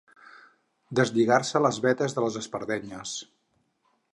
Deslligar-se les vetes de les espardenyes.